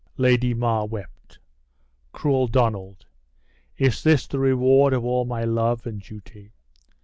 Lady Mar wept. "Cruel Donald! is this the reward of all my love and duty?